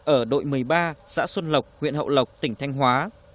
ở đội một mươi ba xã xuân lộc huyện hậu lộc tỉnh thanh hóa